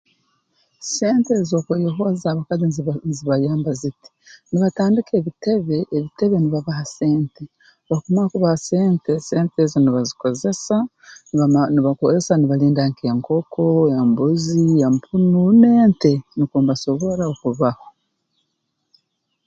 Sente ez'okweyohoza abakazi nzi nzibayamba ziti nibatandika ebitebe ebitebe nibabaha sente obu bakumara kubaha sente sente ezi nibazikozesa nibama nibakozesa nibalinda nk'enkoko embuzi empunu n'ente nukwo mbasobora okubaho